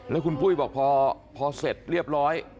แล้วคุณปุ้ยบอกพอเสร็จเรียบร้อย